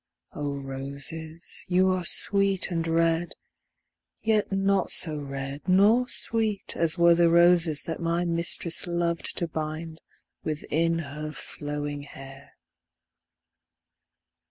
O Roses, you are sweet and red, Yet not so red nor sweet as were The roses that my mistress loved To bind within her flowing hair.